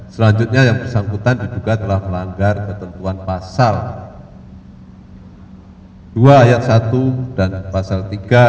selanjutnya yang bersangkutan diduga telah melanggar ketentuan pasal dua ayat satu dan pasal tiga